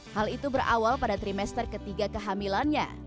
hal itu berawal pada trimester ketiga kehamilannya